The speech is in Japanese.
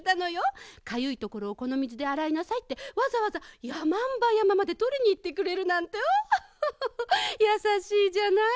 「かゆいところをこのみずであらいなさい」ってわざわざやまんばやままでとりにいってくれるなんてオホホホホやさしいじゃない。